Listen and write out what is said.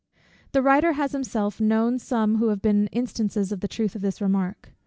The writer has himself known some who have been instances of the truth of this remark.